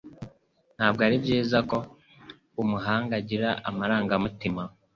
Ntabwo ari byiza ko umuhanga agira amarangamutima.